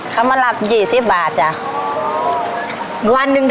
คำมรับ๒๐บาท